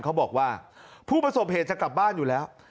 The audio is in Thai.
เขาบอกว่าผู้ประสบเหตุจะกลับบ้านอยู่แล้ว